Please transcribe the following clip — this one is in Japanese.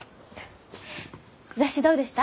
雑誌どうでした？